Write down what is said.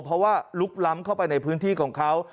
เพราะว่าลุกล้ำเข้าไปในพื้นที่ของเขา